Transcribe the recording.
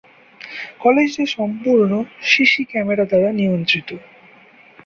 কলেজটি সম্পূর্ণ CC camera দ্বারা নিয়ন্ত্রিত।